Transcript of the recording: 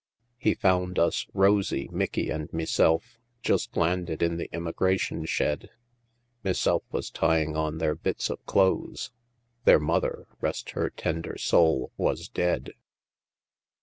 He found us, Rosie, Mickie, an' meself, Just landed in the emigration shed, Meself was tyin' on there bits of clothes, Their mother (rest her tender sowl!) was dead.